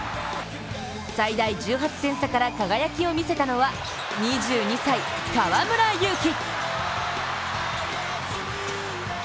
最大１８点差から輝きを見せたのは２２歳、河村勇輝。